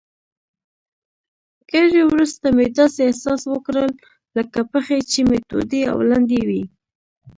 ګړی وروسته مې داسې احساس وکړل لکه پښې چي مې تودې او لندې وي.